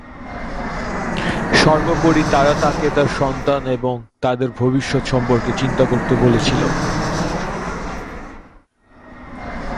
সর্বোপরি, তারা তাকে তার সন্তান এবং তাদের ভবিষ্যত সম্পর্কে চিন্তা করতে বলেছিল।